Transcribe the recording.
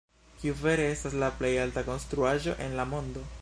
Kiu vere estas la plej alta konstruaĵo en la mondo?